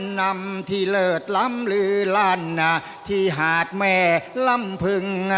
นำที่เลิศล้ำลือลั่นที่หาดแม่ลำพึง